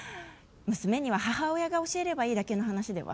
娘には母親が教えればいいだけの話では？